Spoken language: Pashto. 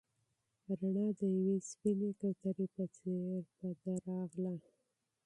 رڼا د یوې سپینې کوترې په څېر په ده راغله.